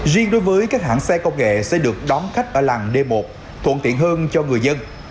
riêng đối với các hãng xe công nghệ sẽ được đón khách ở làng d một thuận tiện hơn cho người dân